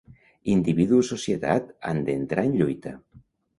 Individu i societat han d'entrar en lluita.